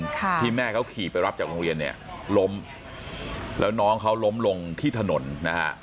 ค่ะที่แม่เขาขี่ไปรับจากโรงเรียนเนี่ยล้มแล้วน้องเขาล้มลงที่ถนนนะฮะ